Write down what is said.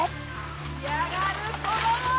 いやがるこどもは。